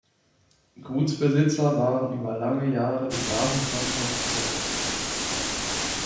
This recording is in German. Gutsbesitzer waren über lange Jahre die Grafen von Kospoth.